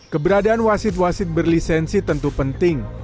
keberadaan wasit wasit berlisensi tentu penting